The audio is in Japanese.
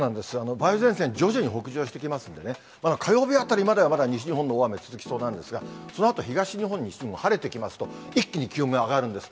梅雨前線、徐々に北上してきますんでね、火曜日あたりまではまだ西日本の大雨続きそうなんですが、そのあと東日本にしても、晴れてきますと、一気に気温が上がるんです。